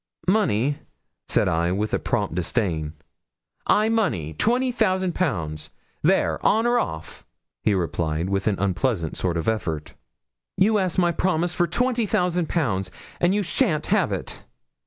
'Money?' said I, with a prompt disdain. 'Ay, money twenty thousand pounds there. On or off?' he replied, with an unpleasant sort of effort. 'You ask my promise for twenty thousand pounds, and you shan't have it.'